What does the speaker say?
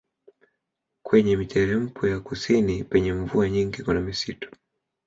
Kwenye miteremko ya kusini penye mvua nyingi kuna misitu